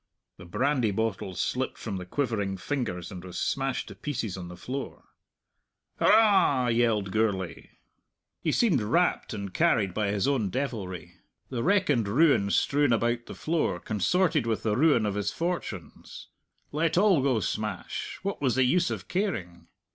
The brandy bottle slipped from the quivering fingers and was smashed to pieces on the floor. "Hurrah!" yelled Gourlay. He seemed rapt and carried by his own devilry. The wreck and ruin strewn about the floor consorted with the ruin of his fortunes; let all go smash what was the use of caring?